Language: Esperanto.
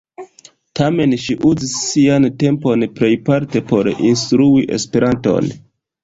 Tamen, ŝi uzis sian tempon plejparte por instrui Esperanton.